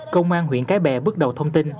công an huyện cái bè bước đầu thông tin